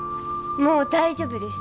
もう大丈夫です。